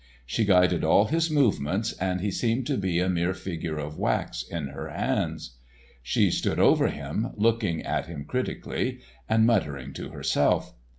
She guided all his movements, and he seemed to be a mere figure of wax in her hands. She stood over him, looking at him critically, and muttering to herself.